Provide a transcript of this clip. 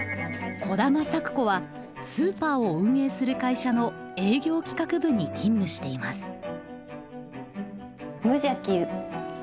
兒玉咲子はスーパーを運営する会社の営業企画部に勤務しています。